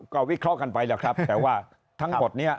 ก็วิเคราะห์กันไปแล้วครับแต่ว่าทั้งหมดนี้